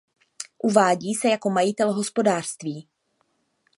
Uvádí se jako majitel hospodářství.